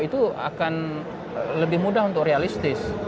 itu akan lebih mudah untuk realistis